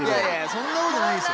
そんなことないです